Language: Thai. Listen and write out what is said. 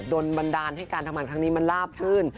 บันดาลให้การทำงานครั้งนี้มันลาบลื่น